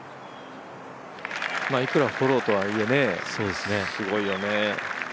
いくらフォローはいえね、すごいよね。